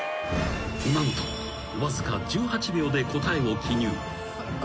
［何とわずか１８秒で答えを記入］